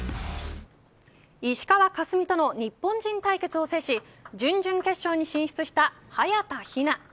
石川佳純との日本人対決を制し準々決勝に進出した早田ひな。